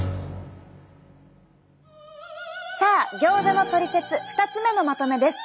さあギョーザのトリセツ２つ目のまとめです。